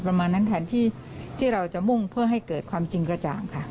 ประมาณนั้นแทนที่เราจะมุ่งเพื่อให้เกิดความจริงกระจ่างค่ะ